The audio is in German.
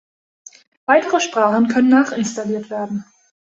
Weitere Sprachen können nachinstalliert werden.